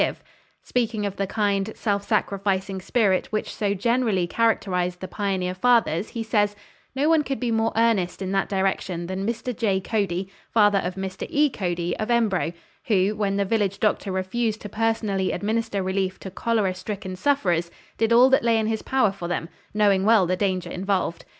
Speaking of the kind, self sacrificing spirit which so generally characterized the pioneer fathers, he says: "No one could be more earnest in that direction than Mr. J. Cody, father of Mr. E. Cody, of Embro, who, when the village doctor refused to personally administer relief to cholera stricken sufferers, did all that lay in his power for them, knowing well the danger involved.